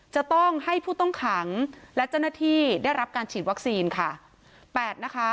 จะต้องให้ผู้ต้องขังและเจ้าหน้าที่ได้รับการฉีดวัคซีนค่ะ